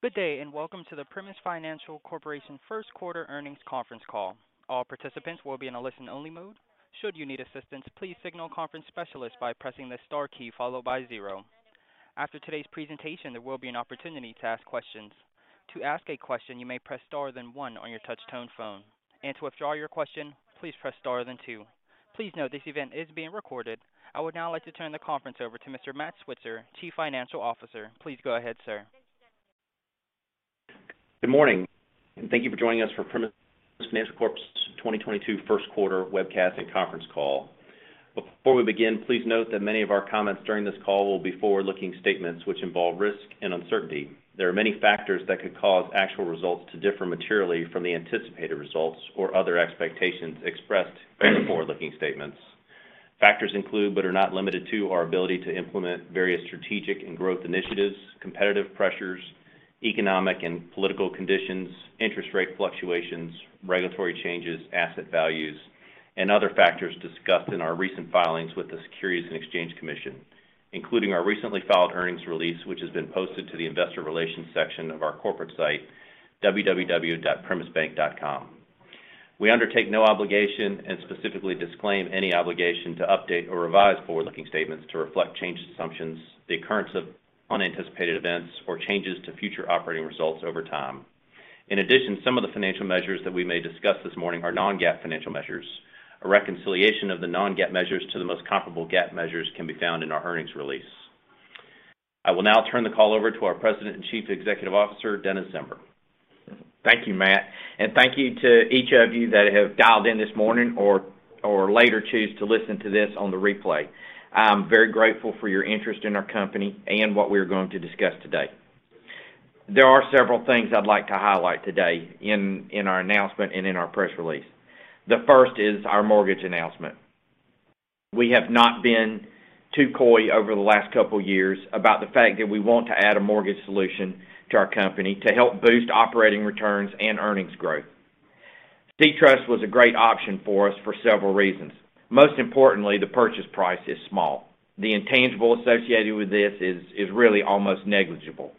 Good day, and welcome to the Primis Financial Corporation first quarter earnings conference call. All participants will be in a listen-only mode. Should you need assistance, please signal conference specialist by pressing the star key followed by zero. After today's presentation, there will be an opportunity to ask questions. To ask a question, you may press star then one on your touch-tone phone. To withdraw your question, please press star then two. Please note this event is being recorded. I would now like to turn the conference over to Mr. Matt Switzer, Chief Financial Officer. Please go ahead, sir. Good morning, and thank you for joining us for Primis Financial Corp.'s 2022 first quarter webcast and conference call. Before we begin, please note that many of our comments during this call will be forward-looking statements which involve risk and uncertainty. There are many factors that could cause actual results to differ materially from the anticipated results or other expectations expressed in the forward-looking statements. Factors include, but are not limited to, our ability to implement various strategic and growth initiatives, competitive pressures, economic and political conditions, interest rate fluctuations, regulatory changes, asset values, and other factors discussed in our recent filings with the Securities and Exchange Commission, including our recently filed earnings release, which has been posted to the investor relations section of our corporate site, www.primisbank.com. We undertake no obligation and specifically disclaim any obligation to update or revise forward-looking statements to reflect changed assumptions, the occurrence of unanticipated events, or changes to future operating results over time. In addition, some of the financial measures that we may discuss this morning are non-GAAP financial measures. A reconciliation of the non-GAAP measures to the most comparable GAAP measures can be found in our earnings release. I will now turn the call over to our President and Chief Executive Officer, Dennis Zember. Thank you, Matt. Thank you to each of you that have dialed in this morning or later choose to listen to this on the replay. I'm very grateful for your interest in our company and what we're going to discuss today. There are several things I'd like to highlight today in our announcement and in our press release. The first is our mortgage announcement. We have not been too coy over the last couple years about the fact that we want to add a mortgage solution to our company to help boost operating returns and earnings growth. SeaTrust was a great option for us for several reasons. Most importantly, the purchase price is small. The intangible associated with this is really almost negligible.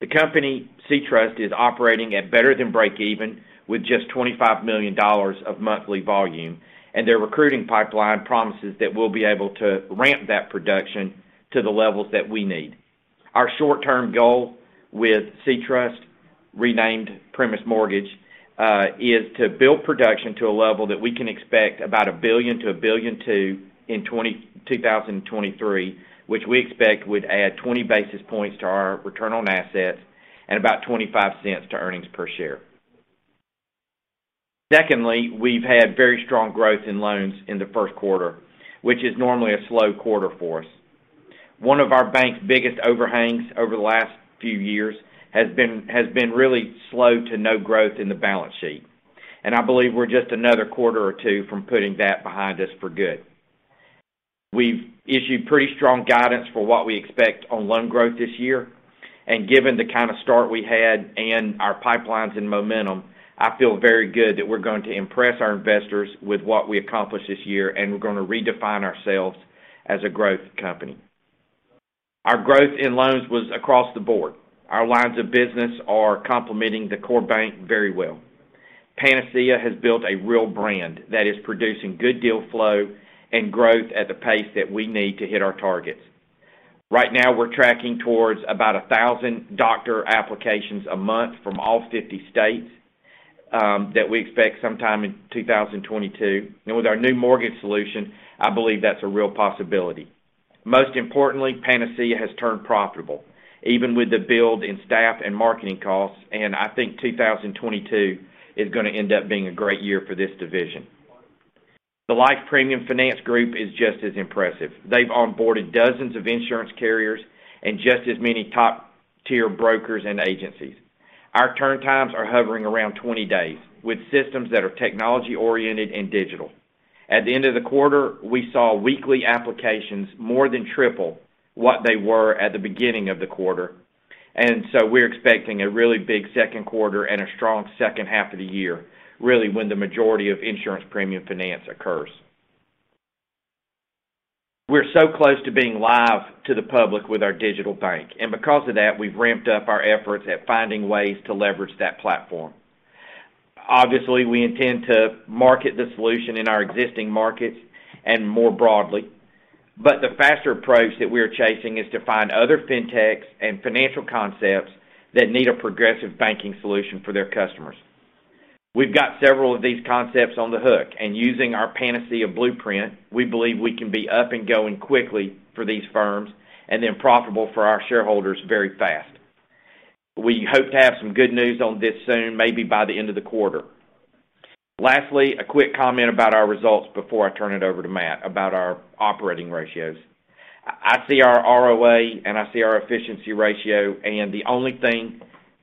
The company, SeaTrust, is operating at better than break even with just $25 million of monthly volume, and their recruiting pipeline promises that we'll be able to ramp that production to the levels that we need. Our short-term goal with SeaTrust, renamed Primis Mortgage, is to build production to a level that we can expect about $1 billion-$1.2 billion in 2023, which we expect would add 20 basis points to our return on assets and about $0.25 to earnings per share. Secondly, we've had very strong growth in loans in the first quarter, which is normally a slow quarter for us. One of our bank's biggest overhangs over the last few years has been really slow to no growth in the balance sheet, and I believe we're just another quarter or two from putting that behind us for good. We've issued pretty strong guidance for what we expect on loan growth this year. Given the kind of start we had and our pipelines and momentum, I feel very good that we're going to impress our investors with what we accomplish this year, and we're gonna redefine ourselves as a growth company. Our growth in loans was across the board. Our lines of business are complementing the core bank very well. Panacea has built a real brand that is producing good deal flow and growth at the pace that we need to hit our targets. Right now, we're tracking towards about 1,000 doctor applications a month from all 50 states, that we expect sometime in 2022. With our new mortgage solution, I believe that's a real possibility. Most importantly, Panacea has turned profitable, even with the build in staff and marketing costs, and I think 2022 is gonna end up being a great year for this division. The Life Premium Finance group is just as impressive. They've onboarded dozens of insurance carriers and just as many top-tier brokers and agencies. Our turn times are hovering around 20 days, with systems that are technology-oriented and digital. At the end of the quarter, we saw weekly applications more than triple what they were at the beginning of the quarter. We're expecting a really big second quarter and a strong second half of the year, really when the majority of insurance premium finance occurs. We're so close to being live to the public with our digital bank, and because of that, we've ramped up our efforts at finding ways to leverage that platform. Obviously, we intend to market the solution in our existing markets and more broadly, but the faster approach that we are chasing is to find other fintechs and financial concepts that need a progressive banking solution for their customers. We've got several of these concepts on the hook, and using our Panacea blueprint, we believe we can be up and going quickly for these firms and then profitable for our shareholders very fast. We hope to have some good news on this soon, maybe by the end of the quarter. Lastly, a quick comment about our results before I turn it over to Matt about our operating ratios. I see our ROA, and I see our efficiency ratio, and the only thing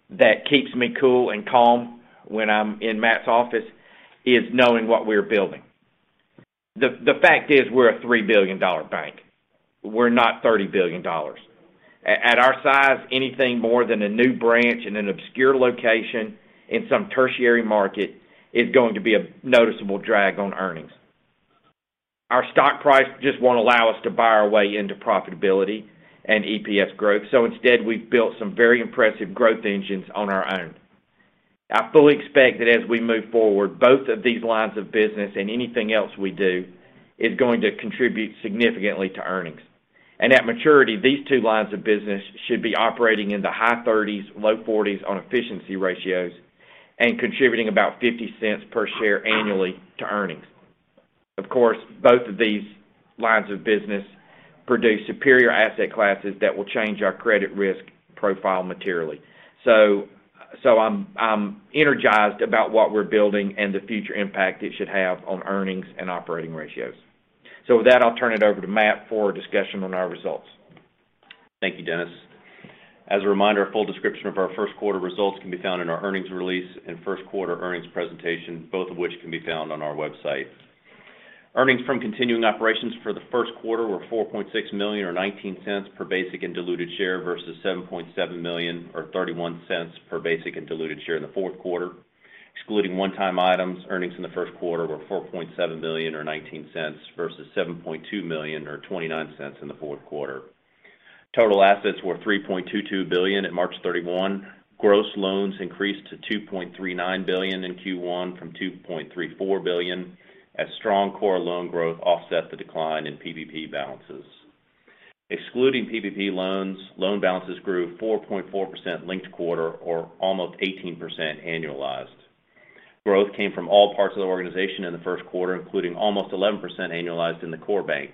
that keeps me cool and calm when I'm in Matt's office is knowing what we're building. The fact is we're a $3 billion bank. We're not $30 billion. At our size, anything more than a new branch in an obscure location in some tertiary market is going to be a noticeable drag on earnings. Our stock price just won't allow us to buy our way into profitability and EPS growth. Instead, we've built some very impressive growth engines on our own. I fully expect that as we move forward, both of these lines of business and anything else we do is going to contribute significantly to earnings. At maturity, these two lines of business should be operating in the high 30s-low 40s% on efficiency ratios and contributing about $0.50 per share annually to earnings. Of course, both of these lines of business produce superior asset classes that will change our credit risk profile materially. I'm energized about what we're building and the future impact it should have on earnings and operating ratios. With that, I'll turn it over to Matt for a discussion on our results. Thank you, Dennis. As a reminder, a full description of our first quarter results can be found in our earnings release and first quarter earnings presentation, both of which can be found on our website. Earnings from continuing operations for the first quarter were $4.6 million or $0.19 per basic and diluted share versus $7.7 million or $0.31 per basic and diluted share in the fourth quarter. Excluding one-time items, earnings in the first quarter were $4.7 million or $0.19 versus $7.2 million or $0.29 in the fourth quarter. Total assets were $3.22 billion at March 31. Gross loans increased to $2.39 billion in Q1 from $2.34 billion, as strong core loan growth offset the decline in PPP balances. Excluding PPP loans, loan balances grew 4.4% linked-quarter or almost 18% annualized. Growth came from all parts of the organization in the first quarter, including almost 11% annualized in the core bank.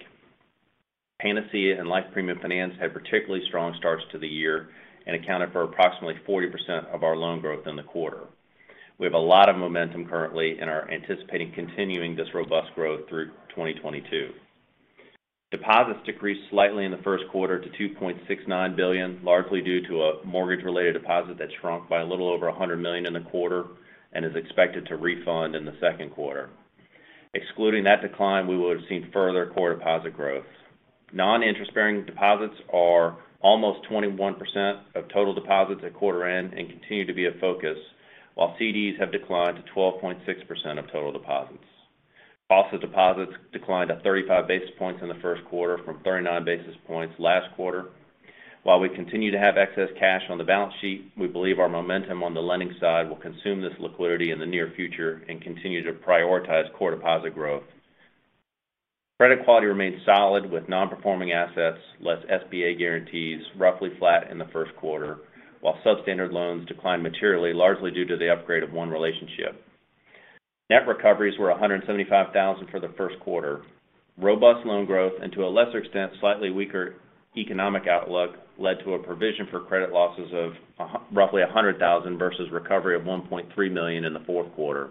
Panacea Financial and Life Premium Finance had particularly strong starts to the year and accounted for approximately 40% of our loan growth in the quarter. We have a lot of momentum currently and are anticipating continuing this robust growth through 2022. Deposits decreased slightly in the first quarter to $2.69 billion, largely due to a mortgage-related deposit that shrunk by a little over $100 million in the quarter and is expected to rebound in the second quarter. Excluding that decline, we would have seen further core deposit growth. Non-interest-bearing deposits are almost 21% of total deposits at quarter end and continue to be a focus, while CDs have declined to 12.6% of total deposits. Cost of deposits declined at 35 basis points in the first quarter from 39 basis points last quarter. While we continue to have excess cash on the balance sheet, we believe our momentum on the lending side will consume this liquidity in the near future and continue to prioritize core deposit growth. Credit quality remains solid with non-performing assets, less SBA guarantees roughly flat in the first quarter, while substandard loans declined materially, largely due to the upgrade of one relationship. Net recoveries were $175,000 for the first quarter. Robust loan growth, and to a lesser extent, slightly weaker economic outlook led to a provision for credit losses of roughly $100,000 versus recovery of $1.3 million in the fourth quarter.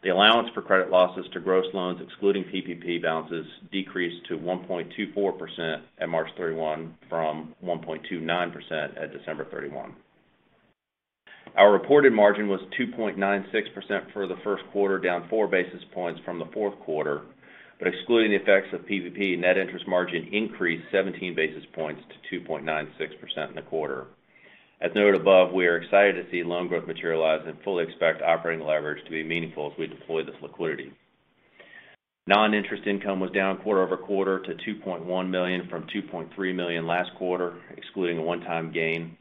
The allowance for credit losses to gross loans, excluding PPP balances, decreased to 1.24% at March 31 from 1.29% at December 31. Our reported margin was 2.96% for the first quarter, down 4 basis points from the fourth quarter. Excluding the effects of PPP, net interest margin increased 17 basis points to 2.96% in the quarter. As noted above, we are excited to see loan growth materialize and fully expect operating leverage to be meaningful as we deploy this liquidity. Non-interest income was down quarter-over-quarter to $2.1 million from $2.3 million last quarter, excluding a one-time gain.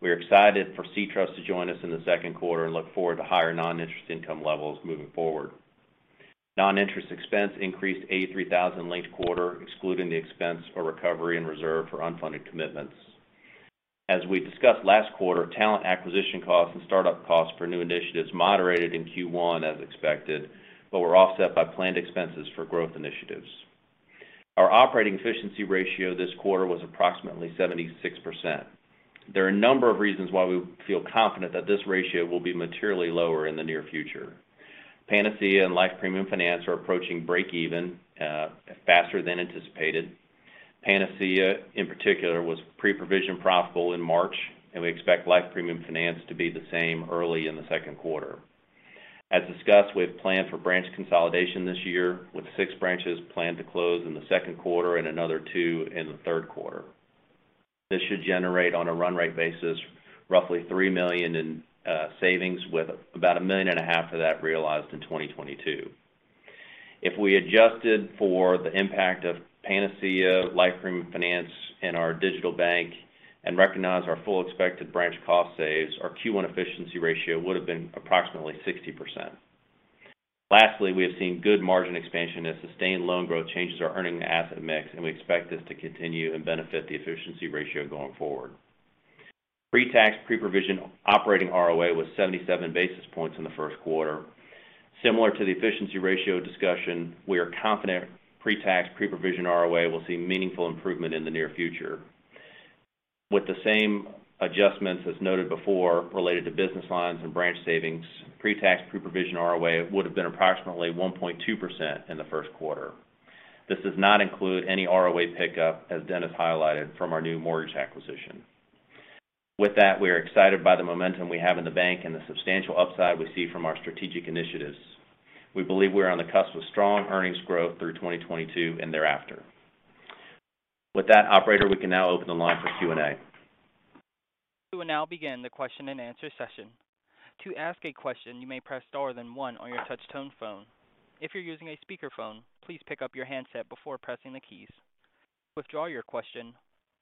We are excited for SeaTrust to join us in the second quarter and look forward to higher non-interest income levels moving forward. Non-interest expense increased $83,000 linked-quarter, excluding the expense for recovery and reserve for unfunded commitments. As we discussed last quarter, talent acquisition costs and start-up costs for new initiatives moderated in Q1 as expected, but were offset by planned expenses for growth initiatives. Our operating efficiency ratio this quarter was approximately 76%. There are a number of reasons why we feel confident that this ratio will be materially lower in the near future. Panacea Financial and Life Premium Finance are approaching break even faster than anticipated. Panacea, in particular, was pre-provision profitable in March, and we expect Life Premium Finance to be the same early in the second quarter. As discussed, we have planned for branch consolidation this year, with six branches planned to close in the second quarter and another two in the third quarter. This should generate on a run rate basis, roughly $3 million in savings with about $1.5 million of that realized in 2022. If we adjusted for the impact of Panacea, Life Premium Finance and our digital bank and recognize our full expected branch cost saves, our Q1 efficiency ratio would have been approximately 60%. Lastly, we have seen good margin expansion as sustained loan growth changes our earning asset mix, and we expect this to continue and benefit the efficiency ratio going forward. Pre-tax, pre-provision operating ROA was 77 basis points in the first quarter. Similar to the efficiency ratio discussion, we are confident pre-tax, pre-provision ROA will see meaningful improvement in the near future. With the same adjustments as noted before related to business lines and branch savings, pre-tax, pre-provision ROA would have been approximately 1.2% in the first quarter. This does not include any ROA pickup, as Dennis highlighted, from our new mortgage acquisition. With that, we are excited by the momentum we have in the bank and the substantial upside we see from our strategic initiatives. We believe we are on the cusp of strong earnings growth through 2022 and thereafter. With that, operator, we can now open the line for Q&A. We will now begin the question-and-answer session. To ask a question, you may press Star then One on your touchtone phone. If you're using a speakerphone, please pick up your handset before pressing the keys. To withdraw your question,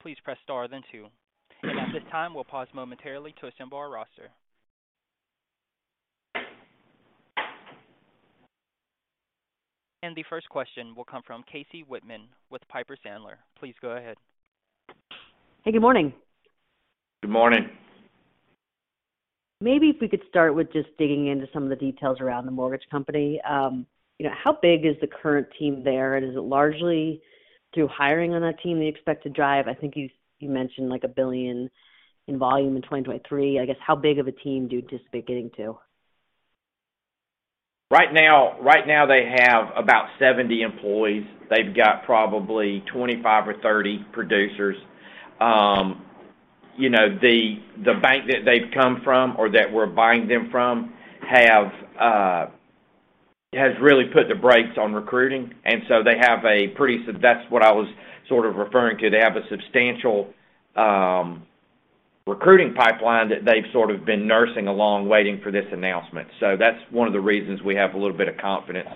please press Star then Two. At this time, we'll pause momentarily to assemble our roster. The first question will come from Casey Whitman with Piper Sandler. Please go ahead. Hey, good morning. Good morning. Maybe if we could start with just digging into some of the details around the mortgage company. You know, how big is the current team there? Is it largely through hiring on that team the expected driver? I think you mentioned, like, $1 billion in volume in 2023. I guess, how big of a team do you anticipate getting to? Right now they have about 70 employees. They've got probably 25 or 30 producers. You know, the bank that they've come from or that we're buying them from has really put the brakes on recruiting, and so they have a pretty substantial recruiting pipeline that they've sort of been nursing along, waiting for this announcement. That's one of the reasons we have a little bit of confidence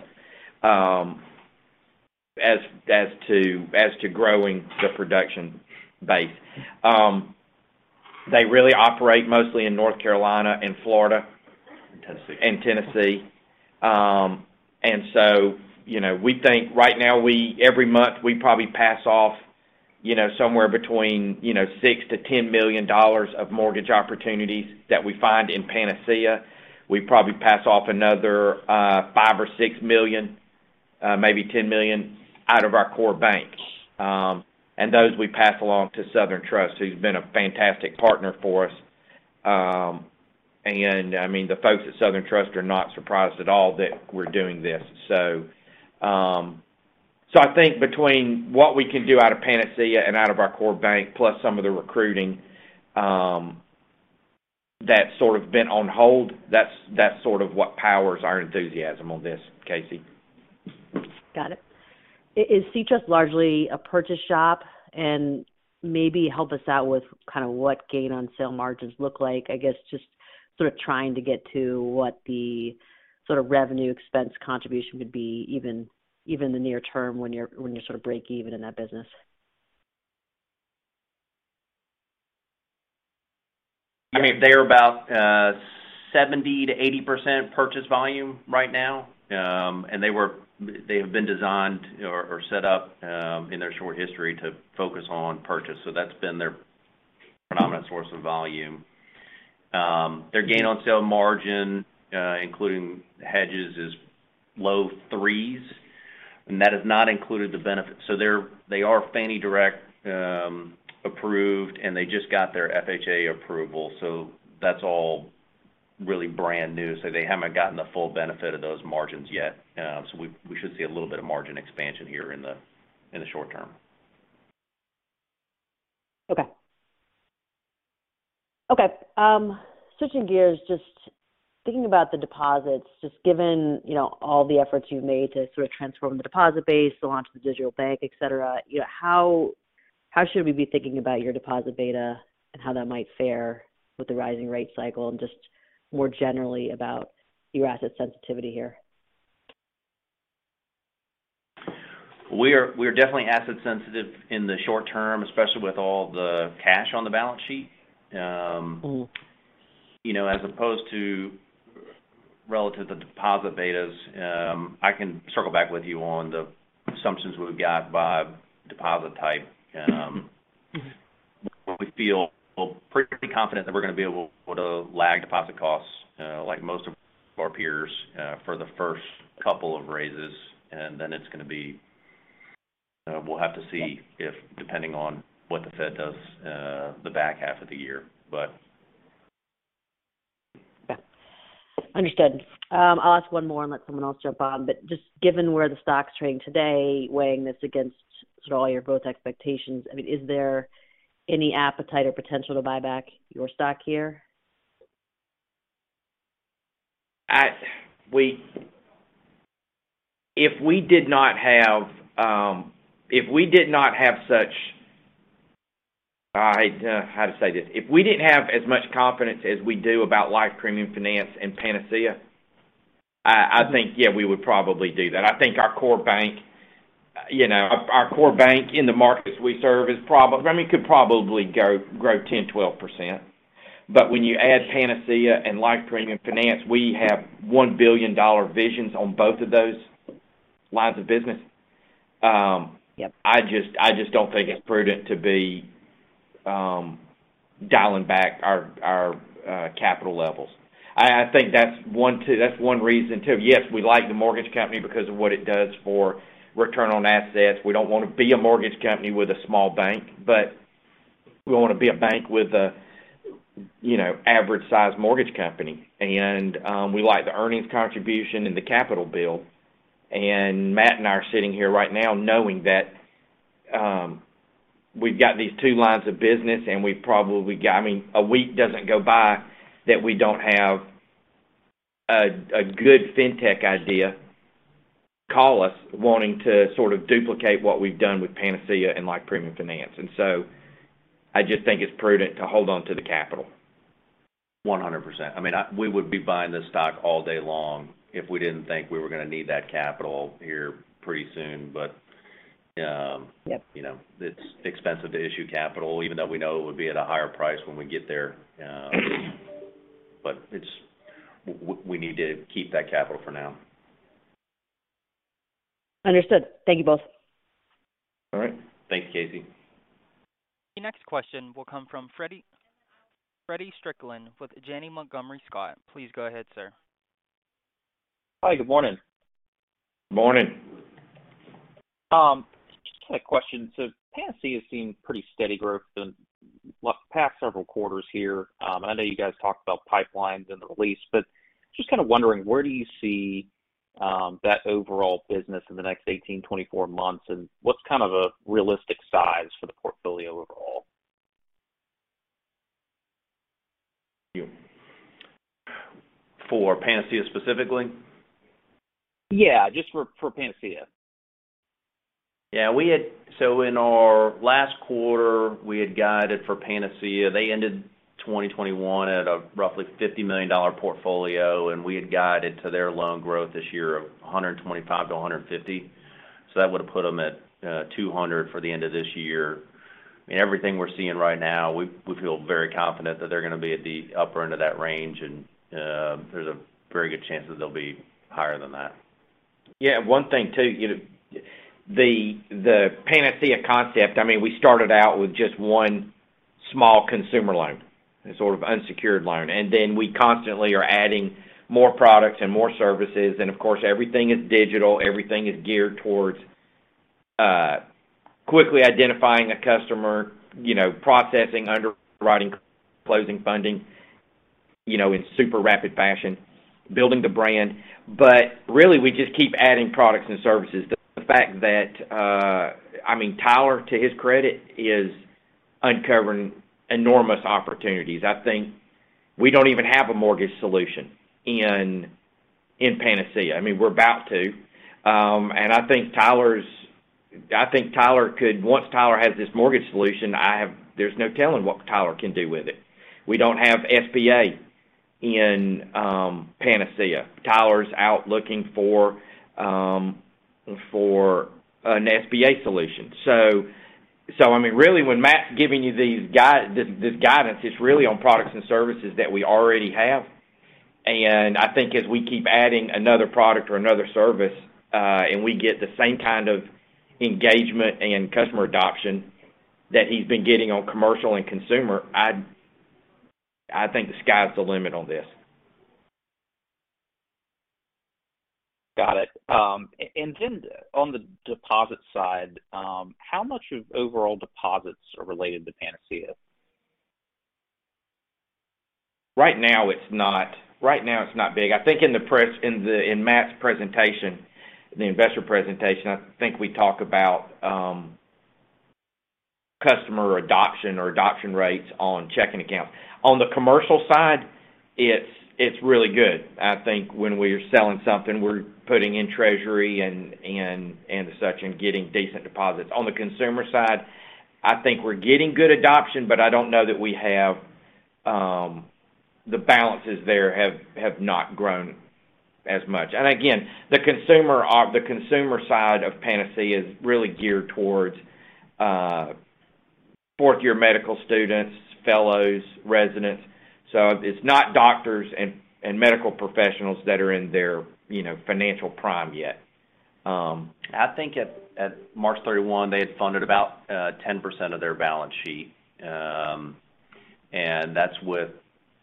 as to growing the production base. They really operate mostly in North Carolina and Florida. Tennessee. Tennessee. You know, we think right now every month we probably pass off, you know, somewhere between $6 million-$10 million of mortgage opportunities that we find in Panacea. We probably pass off another $5 million or $6 million, maybe $10 million out of our core bank. Those we pass along to Southern Trust, who's been a fantastic partner for us. I mean, the folks at Southern Trust are not surprised at all that we're doing this. I think between what we can do out of Panacea and out of our core bank, plus some of the recruiting that's sort of been on hold, that's sort of what powers our enthusiasm on this, Casey. Got it. Is SeaTrust largely a purchase shop? Maybe help us out with kind of what gain on sale margins look like. I guess just sort of trying to get to what the sort of revenue expense contribution could be even the near term when you're sort of breakeven in that business. I mean, they are about 70%-80% purchase volume right now. They have been designed or set up in their short history to focus on purchase. That's been their predominant source of volume. Their gain on sale margin, including hedges, is low threes, and that has not included the benefit. They are Fannie direct approved, and they just got their FHA approval, so that's all really brand new. They haven't gotten the full benefit of those margins yet. We should see a little bit of margin expansion here in the short- term. Okay, switching gears, just thinking about the deposits, just given, you know, all the efforts you've made to sort of transform the deposit base, the launch of the digital bank, et cetera, you know, how should we be thinking about your deposit beta and how that might fare with the rising rate cycle and just more generally about your asset sensitivity here? We are definitely asset sensitive in the short -term, especially with all the cash on the balance sheet. Mm-hmm. You know, as opposed to relative to deposit betas, I can circle back with you on the assumptions we've got by deposit type. We feel pretty confident that we're gonna be able to lag deposit costs, like most of our peers, for the first couple of raises, and then it's gonna be. We'll have to see if, depending on what the Fed does, the back half of the year, but. Understood. I'll ask one more and let someone else jump on. Just given where the stock's trading today, weighing this against sort of all your growth expectations, I mean, is there any appetite or potential to buy back your stock here? If we did not have such confidence as we do about Life Premium Finance and Panacea, I think, yeah, we would probably do that. I think our core bank, you know, in the markets we serve could probably grow 10-12%. But when you add Panacea and Life Premium Finance, we have $1 billion visions on both of those lines of business. Yep. I just don't think it's prudent to be dialing back our capital levels. I think that's one reason, too. Yes, we like the mortgage company because of what it does for return on assets. We don't wanna be a mortgage company with a small bank, but we wanna be a bank with a, you know, average size mortgage company. We like the earnings contribution and the capital build. Matt and I are sitting here right now knowing that we've got these two lines of business and I mean a week doesn't go by that we don't have a good fintech idea call us wanting to sort of duplicate what we've done with Panacea and Life Premium Finance. I just think it's prudent to hold on to the capital. 100%. I mean, we would be buying this stock all day long if we didn't think we were gonna need that capital here pretty soon. Yep. You know, it's expensive to issue capital, even though we know it would be at a higher price when we get there. We need to keep that capital for now. Understood. Thank you both. All right. Thanks, Casey. The next question will come from Feddie Strickland with Janney Montgomery Scott. Please go ahead, sir. Hi, good morning. Morning. Just a question. Panacea has seen pretty steady growth in, like, the past several quarters here. I know you guys talked about pipelines in the release, but just kinda wondering where do you see that overall business in the next 18, 24 months, and what's kind of a realistic size for the portfolio overall? For Panacea specifically? Yeah, just for Panacea. In our last quarter, we had guided for Panacea. They ended 2021 at a roughly $50 million portfolio, and we had guided to their loan growth this year of $125 million-$150 million. That would have put them at $200 million for the end of this year. I mean, everything we're seeing right now, we feel very confident that they're gonna be at the upper end of that range, and there's a very good chance that they'll be higher than that. Yeah, one thing too, you know, the Panacea concept, I mean, we started out with just one small consumer loan and sort of unsecured loan, and then we constantly are adding more products and more services. Of course, everything is digital, everything is geared towards quickly identifying a customer, you know, processing, underwriting, closing, funding, you know, in super rapid fashion, building the brand. Really, we just keep adding products and services. The fact that, I mean, Tyler, to his credit, is uncovering enormous opportunities. I think we don't even have a mortgage solution in Panacea. I mean, we're about to, and I think Tyler could. Once Tyler has this mortgage solution, there's no telling what Tyler can do with it. We don't have SBA in Panacea. Tyler's out looking for for an SBA solution. I mean, really, when Matt's giving you this guidance, it's really on products and services that we already have. I think as we keep adding another product or another service, and we get the same kind of engagement and customer adoption that he's been getting on commercial and consumer, I think the sky's the limit on this. Got it. On the deposit side, how much of overall deposits are related to Panacea? Right now, it's not. Right now, it's not big. I think in the presentation, in Matt's presentation, the investor presentation, I think we talk about customer adoption or adoption rates on checking accounts. On the commercial side, it's really good. I think when we are selling something, we're putting in Treasury and such and getting decent deposits. On the consumer side, I think we're getting good adoption, but I don't know that we have the balances there have not grown as much. Again, the consumer side of Panacea is really geared towards fourth-year medical students, fellows, residents. It's not doctors and medical professionals that are in their, you know, financial prime yet. I think at March 31, they had funded about 10% of their balance sheet. And that's with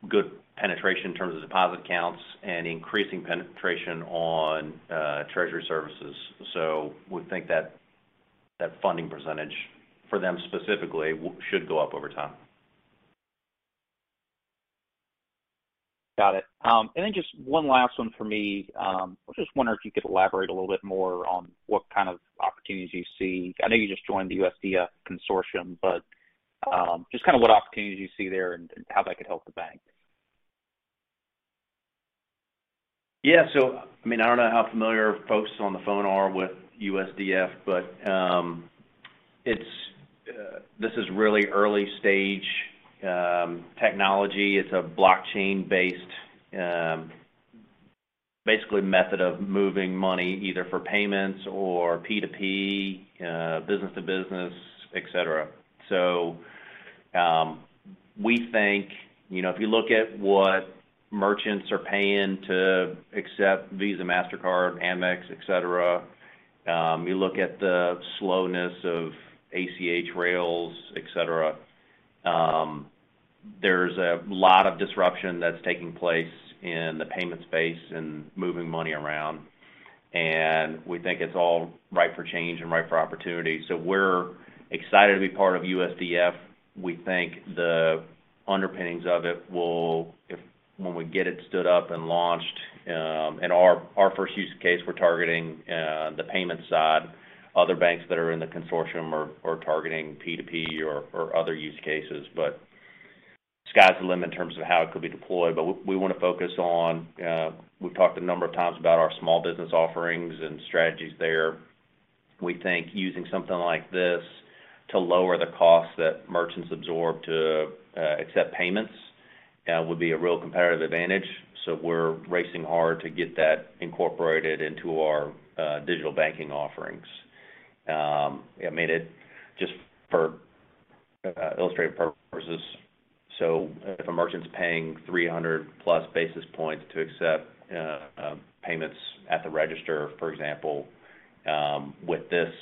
good penetration in terms of deposit accounts and increasing penetration on treasury services. We think that funding percentage for them specifically should go up over time. Got it. Just one last one for me. I was just wondering if you could elaborate a little bit more on what kind of opportunities you see. I know you just joined the USDF Consortium, but just kinda what opportunities you see there and how that could help the bank. Yeah. I mean, I don't know how familiar folks on the phone are with USDF, but this is really early stage technology. It's a blockchain-based basically method of moving money either for payments or P2P, business to business, et cetera. We think, you know, if you look at what merchants are paying to accept Visa, Mastercard, Amex, et cetera, you look at the slowness of ACH rails, et cetera, there's a lot of disruption that's taking place in the payment space and moving money around. We think it's all ripe for change and ripe for opportunity. We're excited to be part of USDF. We think the underpinnings of it will, when we get it stood up and launched, and our first use case, we're targeting the payment side. Other banks that are in the consortium are targeting P2P or other use cases. Sky's the limit in terms of how it could be deployed. We wanna focus on. We've talked a number of times about our small business offerings and strategies there. We think using something like this to lower the costs that merchants absorb to accept payments would be a real competitive advantage, so we're racing hard to get that incorporated into our digital banking offerings. I mean, just for illustrative purposes, so if a merchant's paying 300+ basis points to accept payments at the register, for example, with this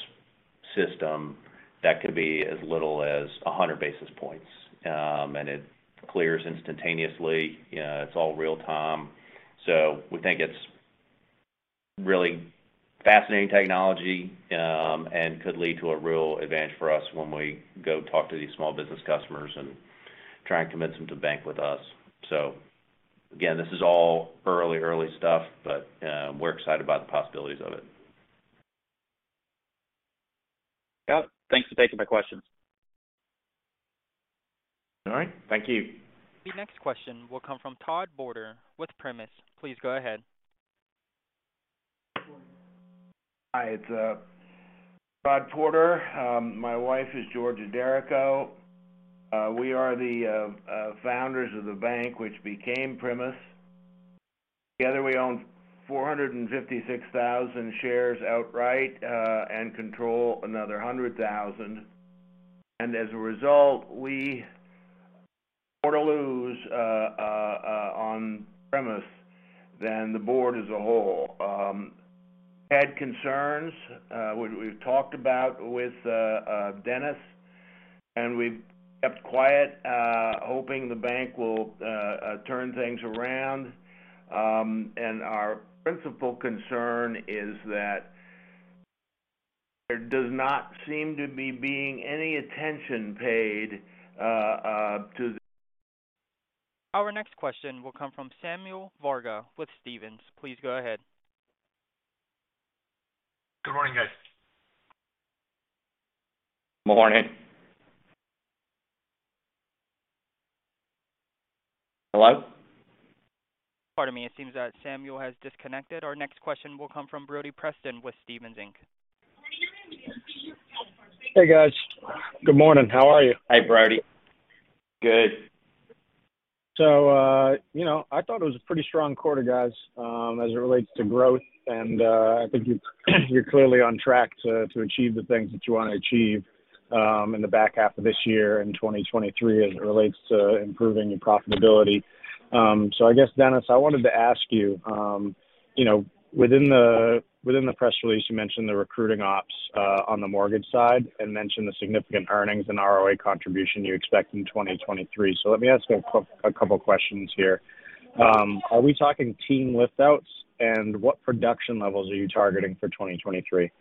system, that could be as little as 100 basis points. It clears instantaneously. It's all real time. We think it's really fascinating technology, and could lead to a real advantage for us when we go talk to these small business customers and try and convince them to bank with us. Again, this is all early stuff, but we're excited about the possibilities of it. Got it. Thanks for taking my questions. All right. Thank you. The next question will come from Todd Porter with Primis. Please go ahead. Hi, it's Todd Porter. My wife is Georgia Derrico. We are the founders of the bank which became Primis. Together, we own 456,000 shares outright and control another 100,000. As a result, we have more to lose on Primis than the board as a whole. We had concerns we've talked about with Dennis, and we've kept quiet, hoping the bank will turn things around. Our principal concern is that there does not seem to be any attention paid to- Our next question will come from Samuel Varga with Stephens. Please go ahead. Good morning, guys. Morning. Hello? Pardon me, it seems that Samuel has disconnected. Our next question will come from Brody Preston with Stephens Inc. Hey, guys. Good morning. How are you? Hi, Brody. Good. You know, I thought it was a pretty strong quarter, guys, as it relates to growth, and I think you're clearly on track to achieve the things that you wanna achieve, in the back half of this year in 2023 as it relates to improving your profitability. I guess, Dennis, I wanted to ask you know, within the press release, you mentioned the recruiting ops, on the mortgage side and mentioned the significant earnings and ROA contribution you expect in 2023. Let me ask a couple questions here. Are we talking team lift-outs, and what production levels are you targeting for 2023?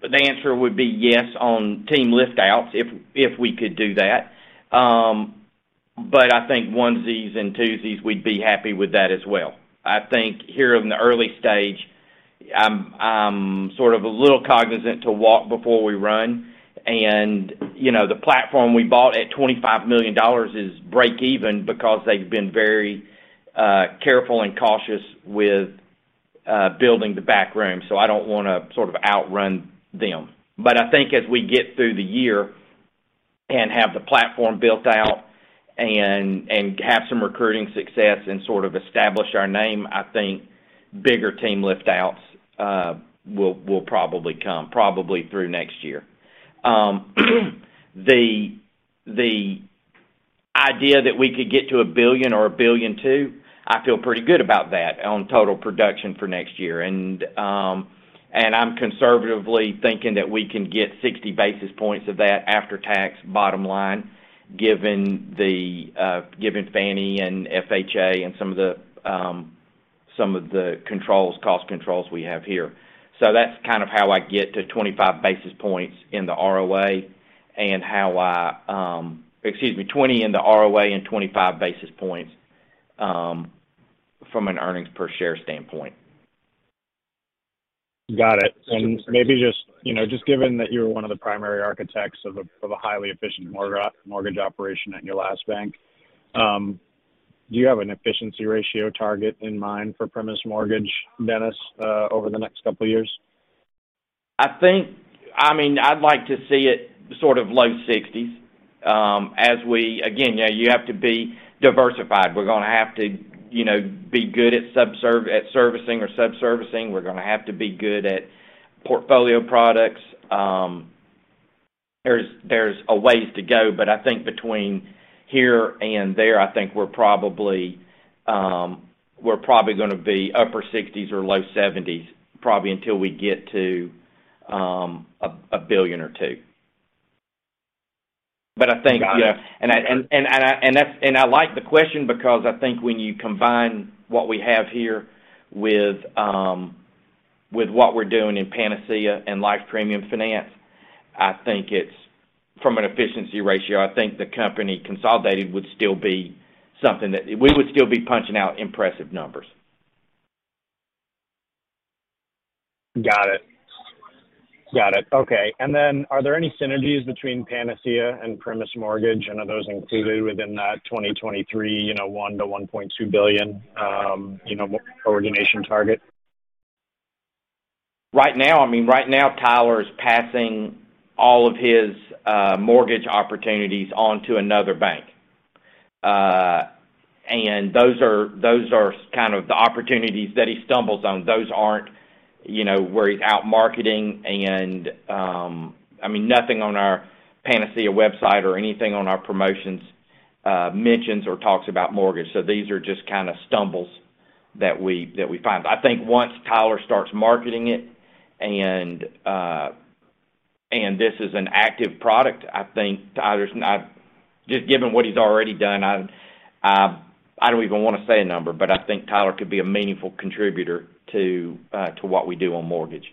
The answer would be yes on team lift-outs if we could do that. I think onesies and twosies, we'd be happy with that as well. I think here in the early stage, I'm sort of a little cognizant to walk before we run and, you know, the platform we bought at $25 million is break even because they've been very careful and cautious with building the back room, so I don't wanna sort of outrun them. I think as we get through the year and have the platform built out and have some recruiting success and sort of establish our name, I think bigger team lift-outs will probably come, probably through next year. The idea that we could get to $1 billion or $1.2 billion. I feel pretty good about that on total production for next year. I'm conservatively thinking that we can get 60 basis points of that after-tax bottom line given Fannie Mae and FHA and some of the cost controls we have here. That's kind of how I get to 25 basis points in the ROA and how I, excuse me, 20 in the ROA and 25 basis points from an earnings per share standpoint. Got it. Maybe just, you know, just given that you're one of the primary architects of a, of a highly efficient mortgage operation at your last bank, do you have an efficiency ratio target in mind for Primis Mortgage, Dennis, over the next couple of years? I mean, I'd like to see it sort of low 60s%. As we again, you know, you have to be diversified. We're gonna have to, you know, be good at servicing or subservicing. We're gonna have to be good at portfolio products. There's a ways to go, but I think between here and there, I think we're probably gonna be upper 60s% or low 70s%, probably until we get to $1 billion or $2 billion. I think. Got it. Yeah, I like the question because I think when you combine what we have here with what we're doing in Panacea and Life Premium Finance, I think it's. From an efficiency ratio, I think the company consolidated would still be something that we would still be punching out impressive numbers. Got it. Okay. Then are there any synergies between Panacea and Primis Mortgage? Are those included within that 2023, you know, $1-$1.2 billion, you know, origination target? Right now, I mean, Tyler is passing all of his mortgage opportunities on to another bank. Those are kind of the opportunities that he stumbles on. Those aren't, you know, where he's out marketing and, I mean, nothing on our Panacea website or anything on our promotions mentions or talks about mortgage. These are just kinda stumbles that we find. I think once Tyler starts marketing it and this is an active product, I think Tyler's not just given what he's already done. I don't even wanna say a number, but I think Tyler could be a meaningful contributor to what we do on mortgage.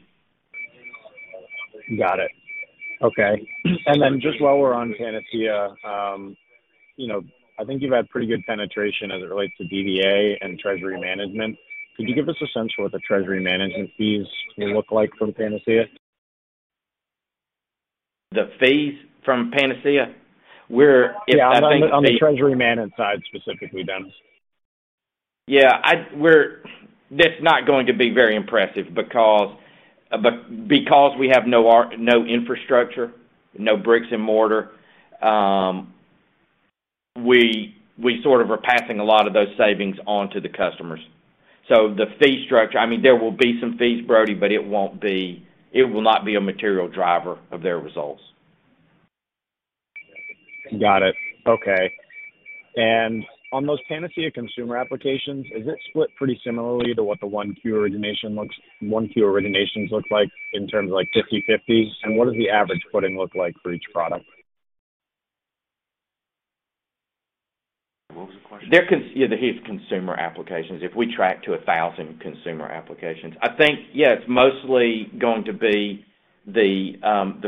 Got it. Okay. Just while we're on Panacea, you know, I think you've had pretty good penetration as it relates to DDA and treasury management. Could you give us a sense for what the treasury management fees will look like from Panacea? The fees from Panacea? Yeah, on the treasury management side, specifically, Dennis. That's not going to be very impressive because we have no infrastructure, no bricks and mortar. We sort of are passing a lot of those savings on to the customers. The fee structure, I mean, there will be some fees, Brody, but it won't be. It will not be a material driver of their results. Got it. Okay. On those Panacea consumer applications, is it split pretty similarly to what the 1Q originations look like in terms of, like, 50/50? What does the average funding look like for each product? What was the question? Yeah, the consumer applications. If we track to 1,000 consumer applications. I think, yeah, it's mostly going to be the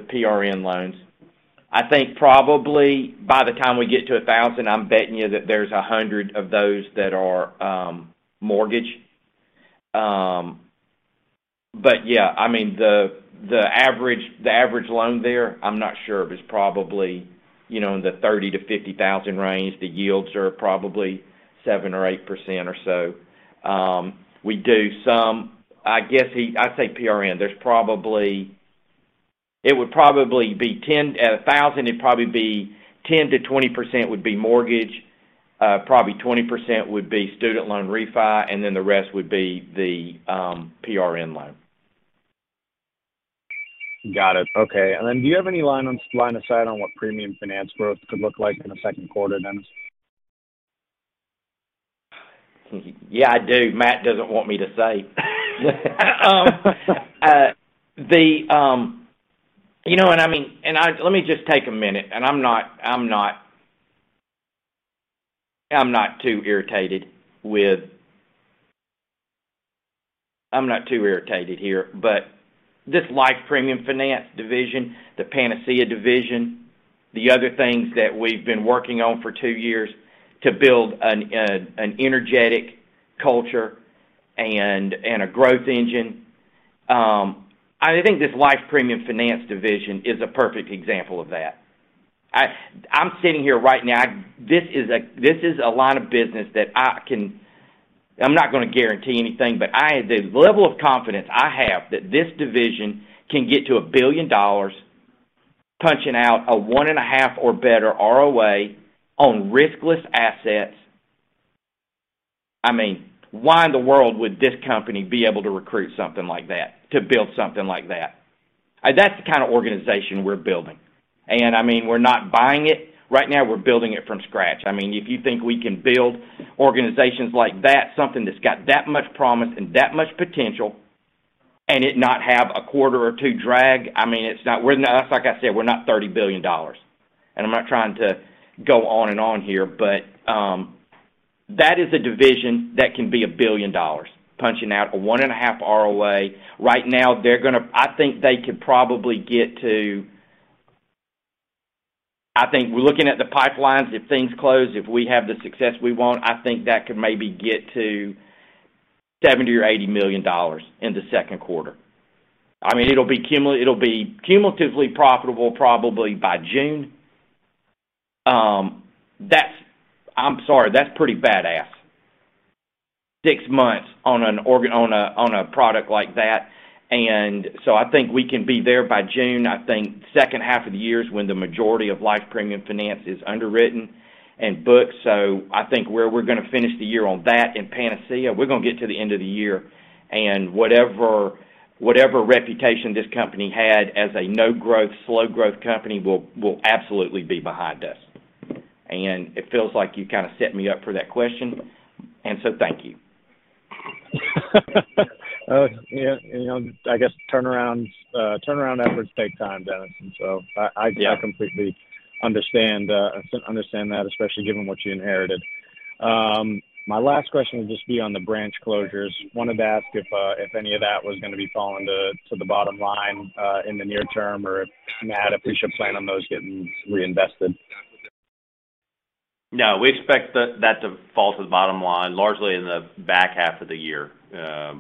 PRN loans. I think probably by the time we get to 1,000, I'm betting you that there's 100 of those that are mortgage. Yeah, I mean, the average loan there, I'm not sure, but it's probably, you know, in the $30,000-$50,000 range. The yields are probably 7% or 8% or so. I'd say PRN. At 1,000, it'd probably be 10%-20% would be mortgage, probably 20% would be student loan refi, and then the rest would be the PRN loan. Got it. Okay. Do you have any line of sight on what premium finance growth could look like in the second quarter, Dennis? Yeah, I do. Matt doesn't want me to say. You know, I mean, let me just take a minute. I'm not too irritated here, but this Life Premium Finance division, the Panacea division, the other things that we've been working on for two years to build an energetic culture and a growth engine. I think this Life Premium Finance division is a perfect example of that. I'm sitting here right now. This is a line of business. I'm not gonna guarantee anything, but the level of confidence I have that this division can get to $1 billion, punching out a 1.5 or better ROA on riskless assets. I mean, why in the world would this company be able to recruit something like that, to build something like that? That's the kind of organization we're building. I mean, we're not buying it. Right now, we're building it from scratch. I mean, if you think we can build organizations like that, something that's got that much promise and that much potential, and it not have a quarter or two drag, I mean, Like I said, we're not $30 billion. I'm not trying to go on and on here, but that is a division that can be $1 billion, punching out a 1.5 ROA. Right now, they're gonna. I think they could probably get to. I think we're looking at the pipelines, if things close, if we have the success we want, I think that could maybe get to $70 million-$80 million in the second quarter. I mean, it'll be cumulatively profitable probably by June. I'm sorry, that's pretty badass. six months on a product like that. I think we can be there by June. I think second half of the year is when the majority of Life Premium Finance is underwritten and booked. I think where we're gonna finish the year on that and Panacea, we're gonna get to the end of the year, and whatever reputation this company had as a no-growth, slow-growth company will absolutely be behind us. It feels like you kinda set me up for that question. Thank you. Yeah, you know, I guess turnaround efforts take time, Dennis. Yeah. I completely understand that, especially given what you inherited. My last question would just be on the branch closures. Wanted to ask if any of that was gonna be falling to the bottom line in the near term, or if Matt, we should plan on those getting reinvested. No, we expect that to fall to the bottom line, largely in the back half of the year. Yeah,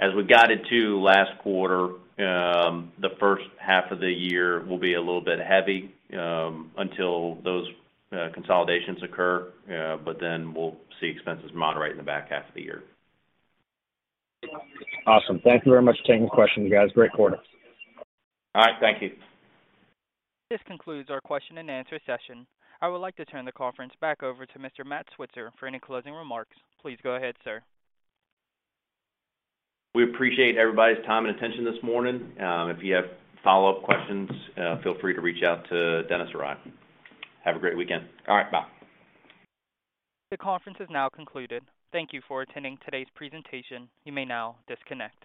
as we guided too last quarter, the first half of the year will be a little bit heavy, until those consolidations occur, but then we'll see expenses moderate in the back half of the year. Awesome. Thank you very much for taking the question, guys. Great quarter. All right. Thank you. This concludes our question and answer session. I would like to turn the conference back over to Mr. Matt Switzer for any closing remarks. Please go ahead, sir. We appreciate everybody's time and attention this morning. If you have follow-up questions, feel free to reach out to Dennis or I. Have a great weekend. All right. Bye. The conference is now concluded. Thank you for attending today's presentation. You may now disconnect.